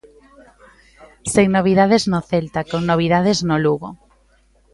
Sen novidades no Celta, con novidades no Lugo.